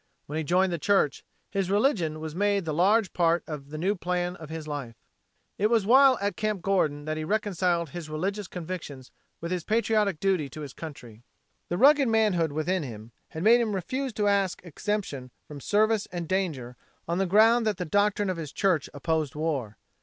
When he joined the church, his religion was made the large part of the new plan of his life. It was while at Camp Gordon that he reconciled his religious convictions with his patriotic duty to his country. The rugged manhood within him had made him refuse to ask exemption from service and danger on the ground that the doctrine of his church opposed war.